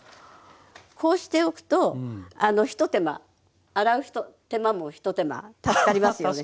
こうしておくと一手間洗う手間も一手間助かりますよね。